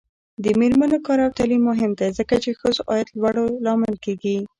د میرمنو کار او تعلیم مهم دی ځکه چې ښځو عاید لوړولو لامل دی.